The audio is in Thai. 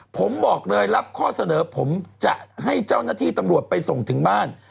ผมบอกเลยรับข้อเสนอผมจะให้เจ้าหน้าที่ตำรวจไปส่งถึงบ้าน